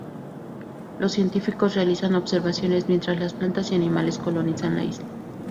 Los científicos realizan observaciones mientras las plantas y animales colonizan la isla.